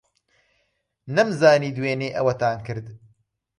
نەمزانی دوێنێ ئەوەتان کرد.